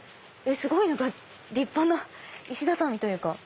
すごい立派な石畳というか。